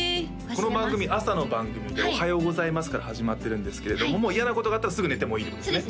この番組朝の番組でおはようございますから始まってるんですけれども嫌なことがあったらすぐ寝てもいいってことですね？